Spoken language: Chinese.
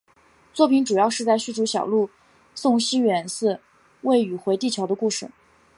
作品主要是在叙述小路送西远寺未宇回地球的故事。